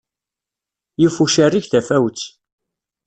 Yif ucerrig tafawet.